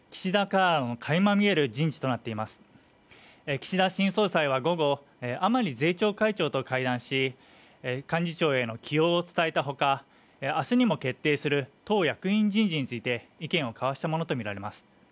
岸田新総裁は午後甘利税調会長と会談し、幹事長への起用を伝えたほか明日にも決定する党役員人事について意見を交わしたものとみられます。